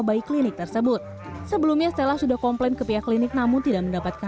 bayi klinik tersebut sebelumnya stella sudah komplain ke pihak klinik namun tidak mendapatkan